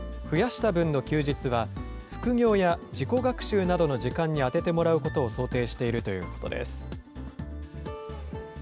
増やした分の休日は、副業や自己学習などの時間に充ててもらうことを想定しているということです。